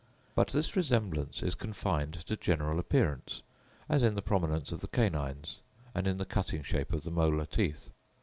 But this resemblance is confined to general appearance, as in the prominence of the canines, and in the cutting shape of the molar teeth.